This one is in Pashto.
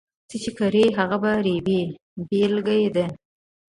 څه چې کرې، هغه به رېبې بېلګه ده.